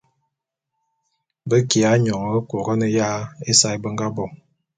Be kiya nyoñe Couronne ya ésae be nga bo.